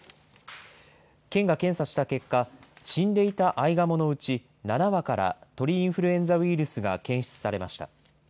県が検査した結果、死んでいたアイガモのうち、７羽から鳥インフルエンザウイルスが検出されました。